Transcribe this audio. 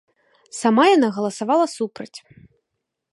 Сама яна галасавала супраць.